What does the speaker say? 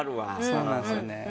そうなんですよね。